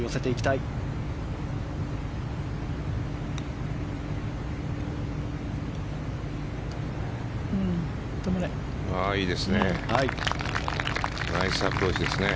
いいですね。